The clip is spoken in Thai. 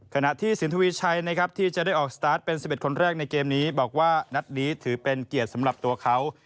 ขณะที่สินทวีชัยนะครับที่จะได้ออกสตาร์ทเป็น๑๑คนแรกในเกมนี้บอกว่านัดนี้ถือเป็นเกียรติสำหรับตัวเขา